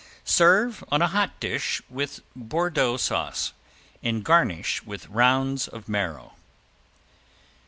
Serve on a hot dish with Bordeaux sauce and garnish with rounds of marrow.